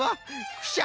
クシャ。